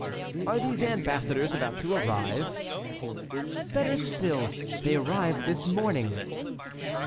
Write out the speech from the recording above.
"Are these ambassadors about to arrive?" "Better still, they arrived this morning."